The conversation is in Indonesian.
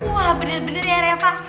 wah bener bener ya refa